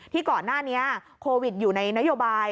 ก่อนหน้านี้โควิดอยู่ในนโยบาย